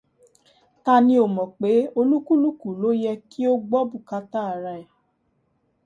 Ta ni ò mọ̀ pé olúúkúlùkù ló yẹ kí ó gbọ́ bùkátà ara ẹ̀